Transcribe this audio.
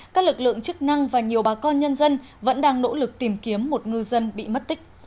các lực lượng chức năng và nhiều bà con nhân dân vẫn đang nỗ lực tìm kiếm một ngư dân bị mất tích